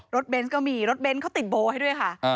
เบนส์ก็มีรถเบนท์เขาติดโบให้ด้วยค่ะ